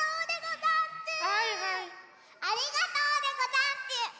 ありがとうでござんちゅ。